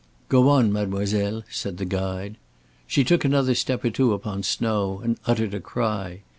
"Go on, mademoiselle," said the guide. She took another step or two upon snow and uttered a cry.